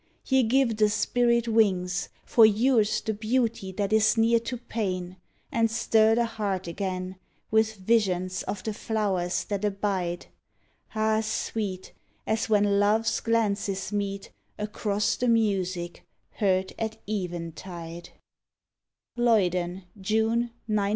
Ye give the spirit wings, For yours the beauty that is near to pain, And stir the heart again With visions of the Flowers that abide — Ah I sweet As when love's glances meet Across the music, heard at eventide I Lloyden, June, 1909.